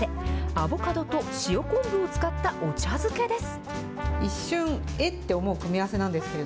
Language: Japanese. アボカドと塩昆布を使ったお茶漬けです。